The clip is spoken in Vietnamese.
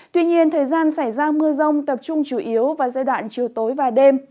tuy nhiên thời gian xảy ra mưa rông tập trung chủ yếu vào giai đoạn chiều tối và đêm